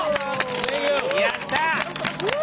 やった！